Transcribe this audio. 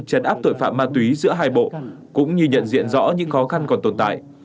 trấn áp tội phạm ma túy giữa hai bộ cũng như nhận diện rõ những khó khăn còn tồn tại